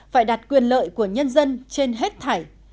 phải đặt quyền lợi của nhân dân trên hết thải